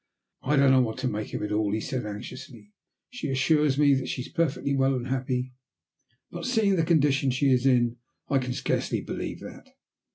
"I don't know what to make of it all," he said anxiously. "She assures me that she is perfectly well and happy, but seeing the condition she is in, I can scarcely believe that.